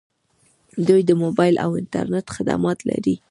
دوی د موبایل او انټرنیټ خدمات لري.